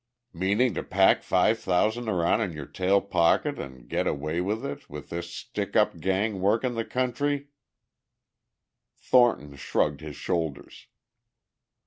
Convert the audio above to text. "Meanin' to pack five thousan' aroun' in your tail pocket an' get away with it with this stick up gang workin' the country." Thornton shrugged his shoulders.